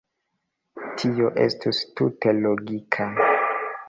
Tio estus tute logika.